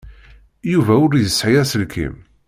Yuba ur yesɛi aselkim.